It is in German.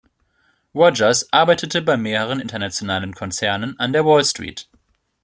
Rogers arbeitete bei mehreren internationalen Konzernen an der Wall Street.